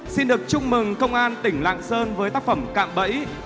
xin được chúc mừng công an tỉnh lạng sơn với tác phẩm cạm bẫy